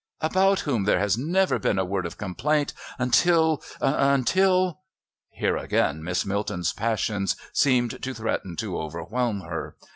about whom there has never been a word of complaint until until " Here again Miss Milton's passions seemed to threaten to overwhelm her.